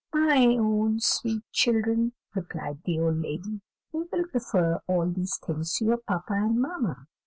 "My own sweet children," replied the old lady, "we will refer all these things to your papa and mamma.